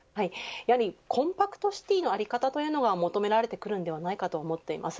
コンパクトシティの在り方というのは求められてくるためではないかと思っています。